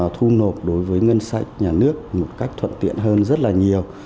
thu nộp đối với ngân sách nhà nước một cách thuận tiện hơn rất là nhiều